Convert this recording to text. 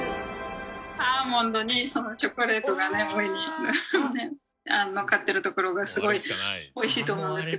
アーモンドにチョコレートがね上にのっかってるところがすごいおいしいと思うんですけど。